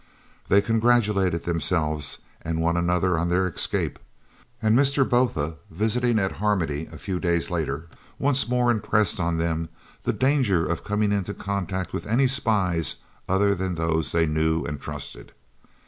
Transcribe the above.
They congratulated themselves and one another on their escape, and Mr. Botha, visiting at Harmony a few days later, once more impressed on them the danger of coming into contact with any spies other than those they knew and trusted.